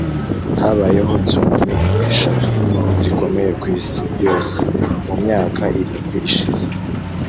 habayeho tsunami eshatu zikomeye kwisi yose mumyaka irindwi ishize.